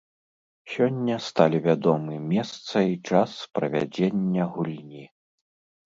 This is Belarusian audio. Сёння сталі вядомы месца і час правядзення гульні.